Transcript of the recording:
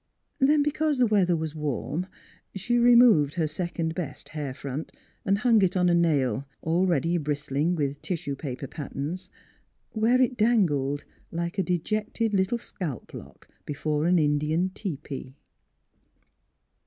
Then because the weather was warm she re moved her second best hair front and hung it on a nail, already bristling with tissue paper pat terns, where it dangled like a dejected little scalp lock before an Indian tepee.